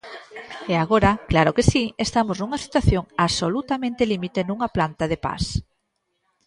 E agora, claro que si, estamos nunha situación absolutamente límite nunha planta de pas.